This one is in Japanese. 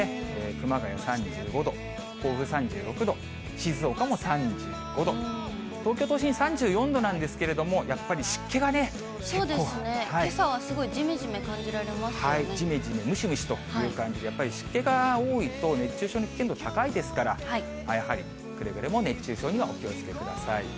熊谷３５度、甲府３６度、静岡も３５度、東京都心３４度なんですけれども、そうですね、けさはすごいじじめじめムシムシという感じで、やっぱり湿気が多いと、熱中症の危険度高いですから、やはりくれぐれも熱中症にはお気をつけください。